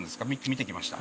見てきました？